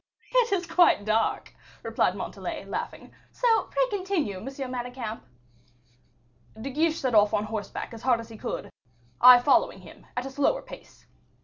"It is quite dark," replied Montalais, laughing; "so, pray continue, M. Manicamp." "De Guiche set off on horseback as hard as he could, I following him, at a slower pace.